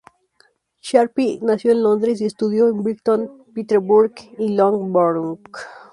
Sharpe nació en Londres y estudió en Brighton, Peterborough y Loughborough.